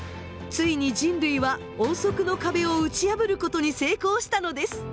ついに人類は音速の壁を打ち破ることに成功したのです。